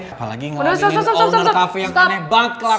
apalagi ga ada yang owner kafe yang eneh baklak